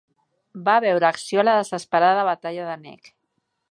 Va veure acció a la desesperada batalla de Nek.